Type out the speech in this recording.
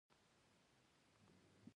او ویلای شو،